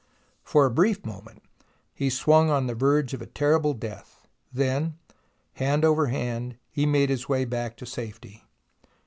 For a brief moment he swung on the verge of a terrible death, then, hand over hand, he made his way back to safety.